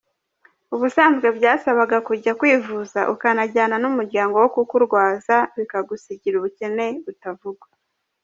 Ubusanzwe byasabaga kujya kwivuza ukanajyana n’umuryango wo kukurwaza, bikawusigira ubukene butavugwa”.